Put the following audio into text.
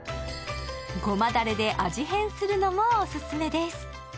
ごまだれで味変するのもオススメです